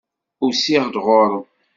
Usiɣ-d ɣur-m.